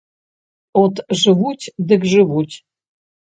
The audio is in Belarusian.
От жывуць, дык жывуць!